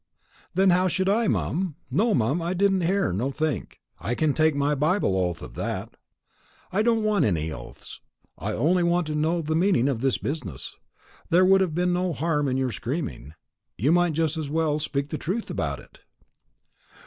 "Then how should I, mum? No, mum, I didn't hear nothink; I can take my Bible oath of that." "I don't want any oaths; I only want to know the meaning of this business. There would have been no harm in your screaming. You might just as well speak the truth about it."